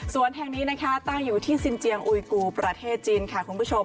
สวนแพร่นี้ตั้งอยู่ที่สินเจียงอุยกูประเทศจีน